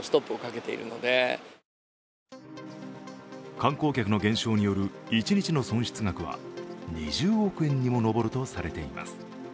観光客の減少による、一日の損失額は２０億円にも上るとされています。